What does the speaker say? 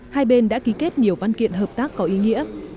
hai bên đã ký kết nhiều văn kiện hợp tác có ý nghĩa